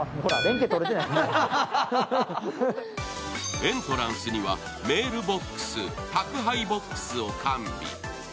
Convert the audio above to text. エントランスにはメールボックス、宅配ボックスを完備。